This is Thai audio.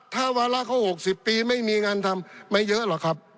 ถ้าวาระเขา๖๐ปีไม่มีงานทำไม่เยอะหรอกครับ